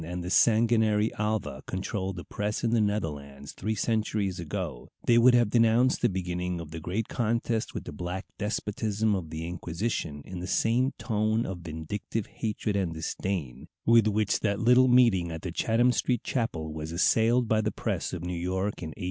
and the sanguinary Alva controlled a press in the Netherlands three centuries ago, they would have denounced the beginning of the great contest with the black despotism of the Inquisition in the same tone of vindictive hatred and disdain with which that little meeting at the Chatham Street chapel was assailed by the press of New York in 1833.